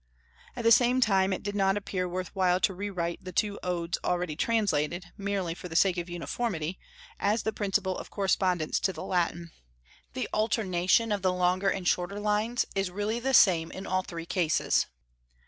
At the same time, it did not appear worth while to rewrite the two Odes already translated, merely for the sake of uniformity, as the principle of correspondence to the Latin, the alternation of longer and shorter lines, is really the same in all three cases.